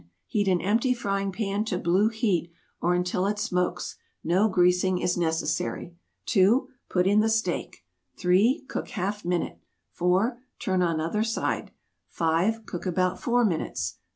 Heat an empty frying pan to blue heat, or until it smokes. No greasing is necessary. 2. Put in the steak. 3. Cook half minute. 4. Turn on other side. 5. Cook about 4 minutes.